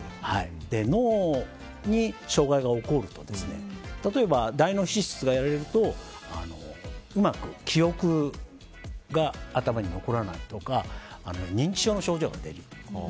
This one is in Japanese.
脳に障害が起こると例えば大脳皮質がやられるとうまく記憶が頭に残らないとか認知症の症状が出る。